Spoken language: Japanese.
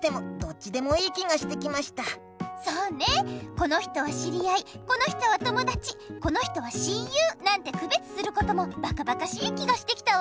この人は知り合いこの人は友だちこの人は親友なんてくべつすることもばかばかしい気がしてきたわ。